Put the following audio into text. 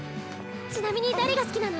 ちなみに誰が好きなの？